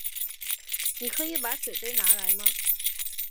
你可以把水杯拿来吗？